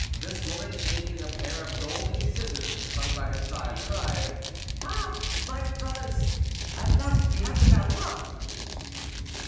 This woman, shaking a pair of golden scissors which hung by her side, cried: "Ah! my brothers, at last we have the Valois!"